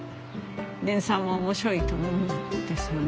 デンさんも面白いと思うんですよね。